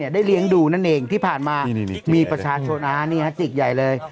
ได้เลี้ยงดูนั่นเองที่ผ่านมามีประชาชนจิตใหญ่เลย